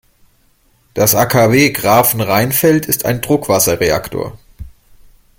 Das AKW Grafenrheinfeld ist ein Druckwasserreaktor.